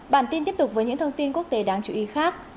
bản tin tiếp tục với những thông tin quốc tế đáng chú ý khác